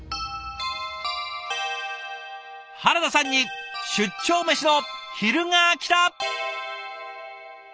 原田さんに出張メシの昼がきた！